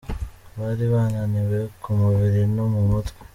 Bari bananiwe ku mubiri no mu mutwe.